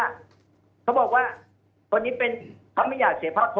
พี่ผมบอกว่าคนนี้เป็นคำไม่อยากเสียพ่อพต